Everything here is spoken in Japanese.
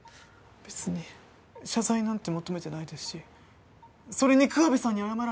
別に謝罪なんて求めてないですしそれに桑部さんに謝られても。